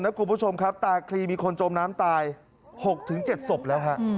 คุณผู้ชมครับตาคลีมีคนจมน้ำตาย๖๗ศพแล้วฮะ